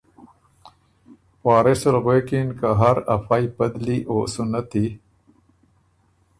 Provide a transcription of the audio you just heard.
وارث ال غوېکِن که هر ا فئ پدلی او سُنتی